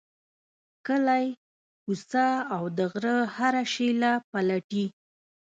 کلی، کوڅه او د غره هره شیله پلټي.